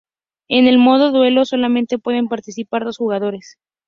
En el Modo Duelo solamente pueden participar dos jugadores.